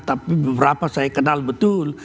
tapi beberapa saya kenal betul